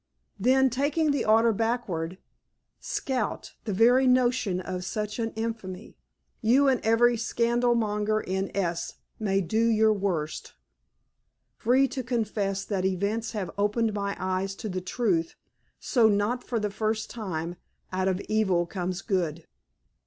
_ Then, taking the order backward: _"Scout the very notion of such an infamy. You and every scandal monger in S. may do your worst." "Free to confess that events have opened my eyes to the truth, so, not for the first time, out of evil comes good."